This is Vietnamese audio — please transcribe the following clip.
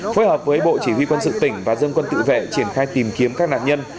phối hợp với bộ chỉ huy quân sự tỉnh và dân quân tự vệ triển khai tìm kiếm các nạn nhân